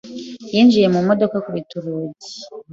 yinjiye mu modoka akubita urugi.